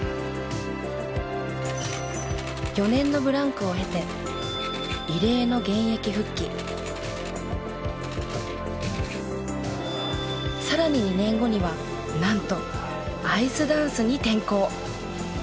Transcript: ４年のブランクを経てさらに２年後にはなんとアイスダンスに転向。